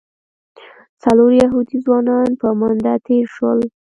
څلور یهودي ځوانان په منډه تېر شول.